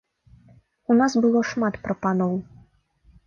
У нас было шмат прапаноў.